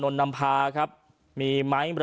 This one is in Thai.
ทางรองศาสตร์อาจารย์ดรอคเตอร์อัตภสิตทานแก้วผู้ชายคนนี้นะครับ